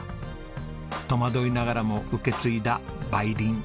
戸惑いながらも受け継いだ梅林。